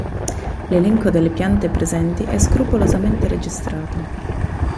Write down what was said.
L'elenco delle piante presenti è scrupolosamente registrato.